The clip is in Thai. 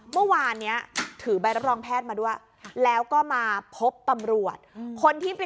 เมื่อวานนี้ถือใบรับรองแพทย์มาด้วยแล้วก็มาพบปำรวจ